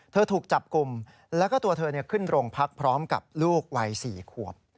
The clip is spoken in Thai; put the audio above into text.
ถูกจับกลุ่มแล้วก็ตัวเธอขึ้นโรงพักพร้อมกับลูกวัย๔ขวบ